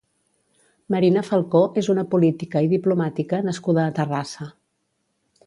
Marina Falcó és una política i diplomàtica nascuda a Terrassa.